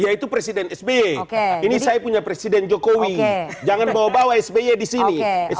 yaitu presiden sby ini saya punya presiden jokowi jangan bawa bawa sby di sini